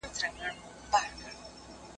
¬ تارو يو مرغه دئ، هر چا چي و نيوی د هغه دئ.